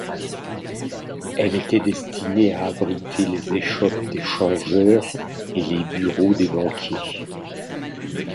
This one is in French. Elle était destinée à abriter les échoppes des changeurs et les bureaux des banquiers.